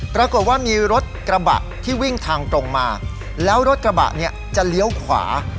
ปรากฏว่ามีรถกระบะที่วิ่งทางตรงมาแล้วรถกระบะเนี่ยจะเลี้ยวขวา